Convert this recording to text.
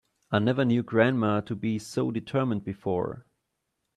I never knew grandma to be so determined before.